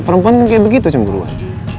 perempuan kan kayak begitu cemburuan